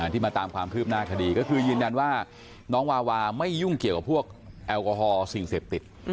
ที่มาตามความคืบหน้าคดีก็คือยืนยันว่าน้องวาวาไม่ยุ่งเกี่ยวกับพวกแอลกอฮอล์สิ่งเสพติด